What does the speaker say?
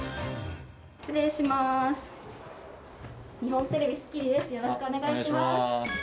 失礼します。